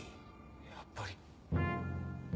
やっぱり。